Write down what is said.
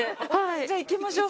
じゃあ行きましょう。